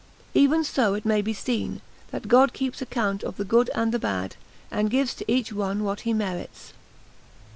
Even so may it be seen that God keeps account of the good and the bad, and gives to each one what he merits.